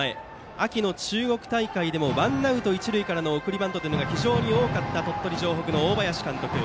秋の中国大会でもワンアウト一塁からの送りバントが非常に多かった鳥取城北の大林監督。